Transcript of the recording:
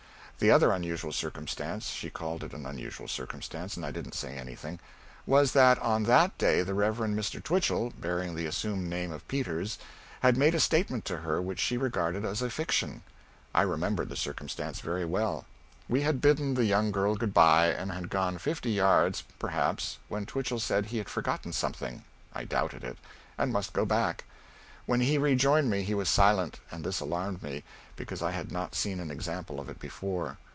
The other unusual circumstance she called it an unusual circumstance, and I didn't say anything was that on that day the Rev. Mr. Twichell (bearing the assumed name of Peters) had made a statement to her which she regarded as a fiction. I remembered the circumstance very well. We had bidden the young girl good by and had gone fifty yards, perhaps, when Twichell said he had forgotten something (I doubted it) and must go back. When he rejoined me he was silent, and this alarmed me, because I had not seen an example of it before.